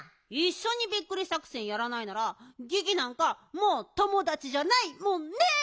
いっしょにビックリさくせんやらないならギギなんかもうともだちじゃないもんね！